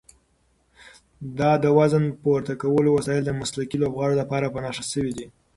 دا د وزن پورته کولو وسایل د مسلکي لوبغاړو لپاره په نښه شوي دي.